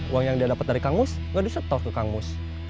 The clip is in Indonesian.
uang yang dia dapet dari kangus gak disetor ke kangus